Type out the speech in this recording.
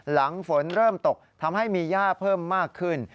หลังฝนเริ่มตกทำให้มีย่าเพิ่มมากขึ้น